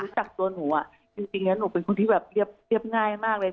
รู้จักตัวหนูอ่ะจริงเนี่ยหนูเป็นคนที่เรียบง่ายมากเลย